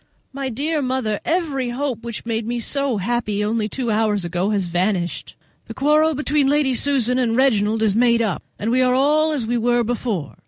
My dear mother, every hope which made me so happy only two hours ago has vanished. The quarrel between Lady Susan and Reginald is made up, and we are all as we were before.